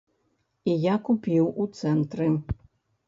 І я купіў у цэнтры.